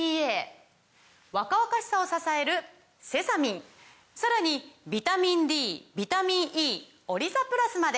若々しさを支えるセサミンさらにビタミンＤビタミンＥオリザプラスまで！